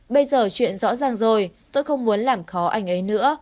bây giờ chuyện rõ ràng rồi tôi không muốn làm khó ảnh ấy nữa